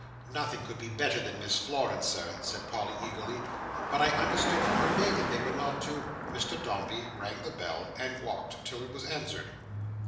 "Nothing could be better than Miss Florence, Sir," said Polly eagerly, "but I understood from her maid that they were not to—" Mr Dombey rang the bell, and walked till it was answered.